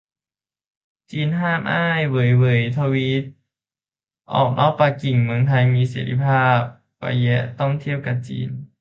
จีนห้าม "อ้าย เหว่ยเหว่ย" ทวีต - ออกนอกปักกิ่ง เมืองไทยมีเสรีภาพกว่าแยะ ต้องเทียบกับจีน